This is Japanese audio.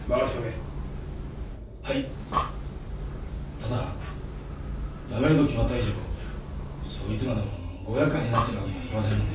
ただやめると決まった以上そういつまでもごやっかいになってるわけにはいきませんので。